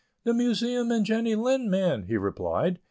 "The Museum and Jenny Lind man," he replied.